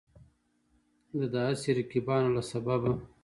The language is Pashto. د دا هسې رقیبانو له سببه